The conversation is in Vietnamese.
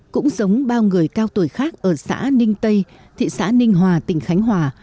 cũng giống bao người cao tuổi khác ở xã ninh tây thị xã ninh hòa tỉnh khánh hòa